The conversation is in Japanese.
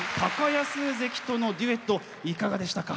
安関とのデュエットいかがでしたか？